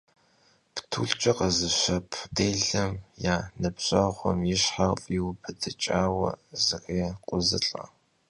Ptulhç'e khezışıp dêlem ya nıbjeğum yi şher f'iubıdıç'aue zrêkhuzılh'e.